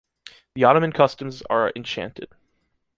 The Ottoman customs are enchanted.